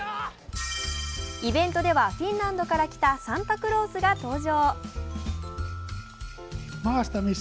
イベントではフィンランドから来たサンタクロースが登場。